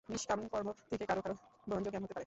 নিষ্কাম কর্ম থেকে কারও কারও ব্রহ্মজ্ঞান হতে পারে।